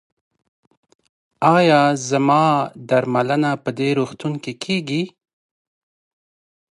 ایا زما درملنه په دې روغتون کې کیږي؟